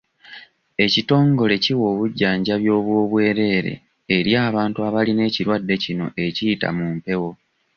Ekitongole kiwa obujjanjabi obw'obwereere eri abantu abalina ekirwadde kino ekiyita mu mpewo.